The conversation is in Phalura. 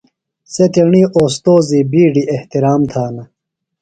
سےۡ تیݨی اوستوذی بِیڈیۡ احترام تھانہ۔